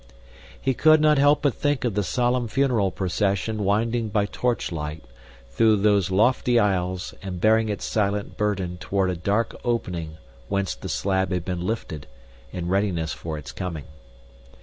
He could not help but think of the solemn funeral procession winding by torchlight through those lofty aisles and bearing its silent burden toward a dark opening whence the slab had been lifted, in readiness for its coming.